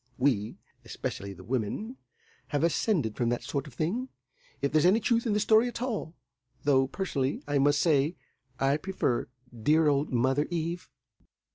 We especially the women have _as_cended from that sort of thing, if there's any truth in the story at all; though, personally, I must say I prefer dear old Mother Eve."